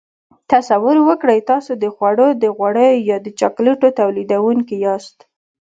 تصور وکړئ تاسو د خوړو د غوړیو یا د چاکلیټو تولیدوونکي یاست.